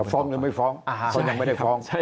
ฟ้องหรือไม่ฟ้องเขายังไม่ได้ฟ้อง